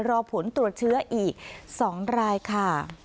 รอผลตรวจเชื้ออีก๒รายค่ะ